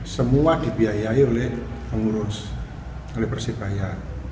semua dibiayai oleh pengurus oleh persebaya